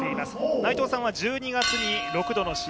内藤さんは１２月に６度の試合